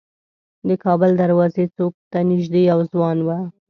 د کابل دروازې څوک ته نیژدې یو ځوان و.